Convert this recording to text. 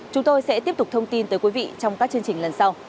chúng tôi sẽ tiếp tục thông tin tới quý vị trong các chương trình lần sau